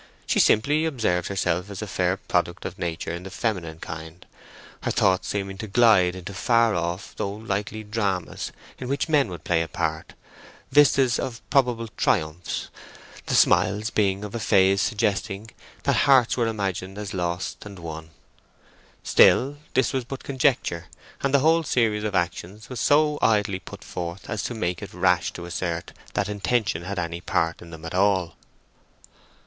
She simply observed herself as a fair product of Nature in the feminine kind, her thoughts seeming to glide into far off though likely dramas in which men would play a part—vistas of probable triumphs—the smiles being of a phase suggesting that hearts were imagined as lost and won. Still, this was but conjecture, and the whole series of actions was so idly put forth as to make it rash to assert that intention had any part in them at all.